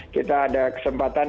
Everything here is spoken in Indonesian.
kita ada kesempatan